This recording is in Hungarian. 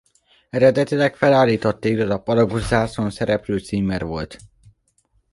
Eredetileg felállított téglalap alakú zászlón szereplő címer volt.